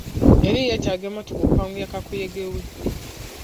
Yali yeetaaga emmotoka okwanguya kakuyege we.